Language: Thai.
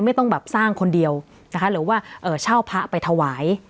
ไม่ต้องแบบสร้างคนเดียวนะคะหรือว่าเช่าพระไปถวาย